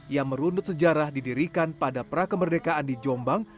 yang merundut sejarah didirikan pada prakemerdekaan di jombang